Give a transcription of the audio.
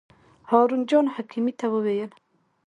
هارون جان حکیمي ته یې وویل.